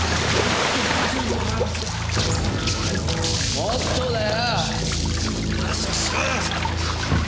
もっとだよ！